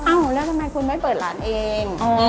แล้วทำไมคุณไม่เปิดร้านเอง